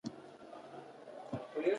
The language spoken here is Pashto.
په غرنۍ ساحه کې میل اته سلنه کیدی شي